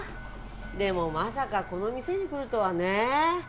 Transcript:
でもまさかこの店に来るとはね。